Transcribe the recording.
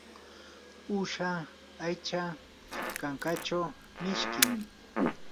uusha aycha kankachaw mishkim.